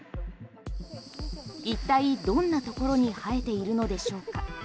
一体どんなところに生えているのでしょうか？